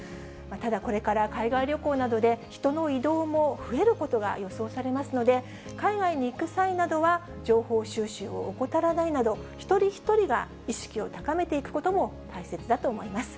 ただ、これから海外旅行などで、人の移動も増えることが予想されますので、海外に行く際などは、情報収集を怠らないなど、一人一人が意識を高めていくことも大切だと思います。